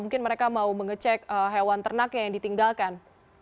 mungkin mereka mau mengecek hewan ternaknya yang ditinggalkan